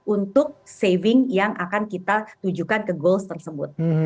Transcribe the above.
untuk saving yang akan kita tujukan ke goals tersebut